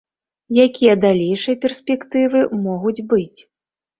Якія далейшыя перспектывы могуць быць?